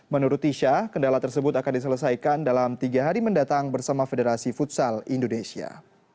menurut tisha kendala tersebut akan diselesaikan dalam tiga hari mendatang bersama federasi futsal indonesia